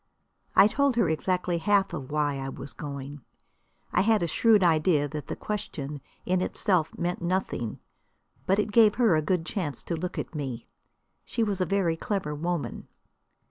I told her exactly half of why I was going. I had a shrewd idea that the question in itself meant nothing. But it gave her a good chance to look at me. She was a very clever woman.